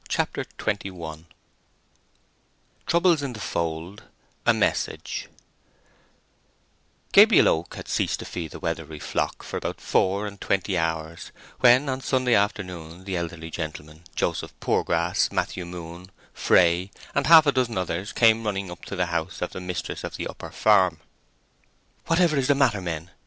CHAPTER XXI TROUBLES IN THE FOLD—A MESSAGE Gabriel Oak had ceased to feed the Weatherbury flock for about four and twenty hours, when on Sunday afternoon the elderly gentlemen Joseph Poorgrass, Matthew Moon, Fray, and half a dozen others, came running up to the house of the mistress of the Upper Farm. "Whatever is the matter, men?"